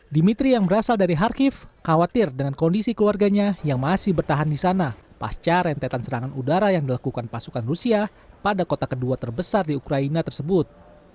dimitri yang berasal dari harkif khawatir dengan kondisi keluarganya yang masih bertahan di sana pasca rentetan serangan udara yang dilakukan pasukan rusia pada kota kedua terbesar di ukraina tersebut